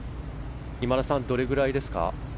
今田さん、どれくらいですか？